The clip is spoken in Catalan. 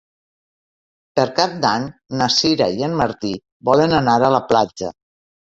Per Cap d'Any na Sira i en Martí volen anar a la platja.